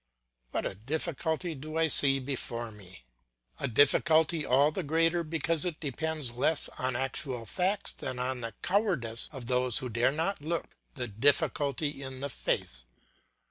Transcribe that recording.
What a difficulty do I see before me! A difficulty all the greater because it depends less on actual facts than on the cowardice of those who dare not look the difficulty in the face.